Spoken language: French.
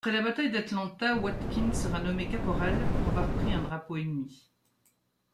Après la bataille d'Atlanta, Watkins sera nommé caporal, pour avoir pris un drapeau ennemi.